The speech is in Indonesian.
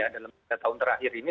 dalam tiga tahun terakhir ini